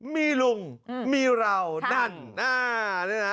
มีลุงมีเรานั่น